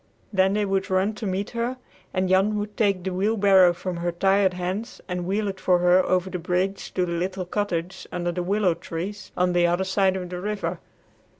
Then they would run to meet her, and Jan would take the wheelbarrow from her tired hands and wheel it for her over the bridge to the little cottage under the willow trees on the other side of the river.